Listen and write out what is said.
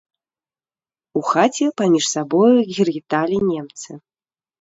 У хаце паміж сабою гергеталі немцы.